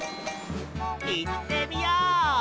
いってみよう！